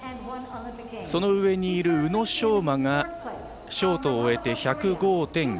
その上にいる宇野昌磨がショートを終えて１０５．９０。